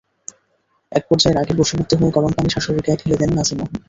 একপর্যায়ে রাগের বশবর্তী হয়ে গরম পানি শাশুড়ির গায়ে ঢেলে দেন নাছিমা।